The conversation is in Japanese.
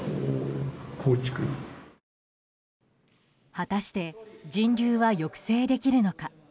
果たして人流は抑制できるのか。